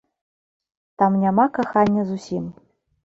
Там няма кахання зусім.